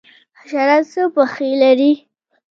حشرات څو پښې لري؟